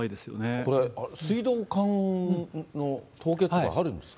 これ、水道管の凍結とか、あるんですか。